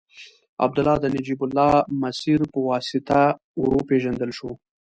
عبدالله د نجیب الله مسیر په واسطه ور وپېژندل شو.